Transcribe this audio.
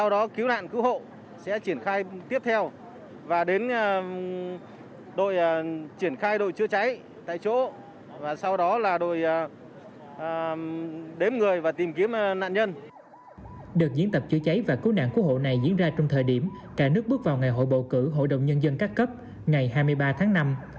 được diễn tập chữa cháy và cứu nạn của hộ này diễn ra trong thời điểm cả nước bước vào ngày hội bầu cử hội đồng nhân dân các cấp ngày hai mươi ba tháng năm